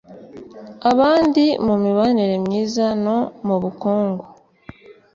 abandi mu mibanire myiza no mu bukungu